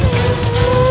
masun masun masun